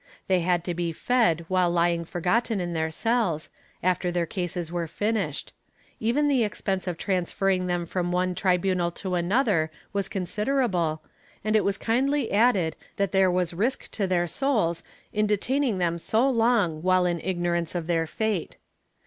They had to be fed while lying forgotten in their cells, after their cases were finished; even the expense of transferring them from one tribunal to another was considerable, and it was kindly added that there was risk to their souls in detaining them so long while in ignorance of their fate.